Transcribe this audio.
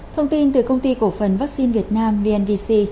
thông tin từ công ty cổ phần vaccine việt nam vnvc